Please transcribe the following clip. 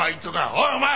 おいお前！